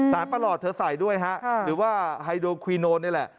ประหลอดเธอใส่ด้วยฮะหรือว่าไฮโดควีโนนี่แหละ